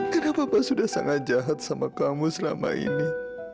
kenapa pak sudah sangat jahat sama kamu selama ini